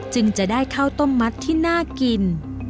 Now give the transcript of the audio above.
จึงจะได้ข้าวต้มมัดที่น่ากิน